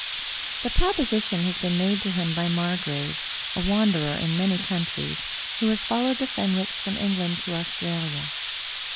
The proposition has been made to him by Margrave, a wanderer in many coimtries, who has followed the Fenwicks from England to Australia.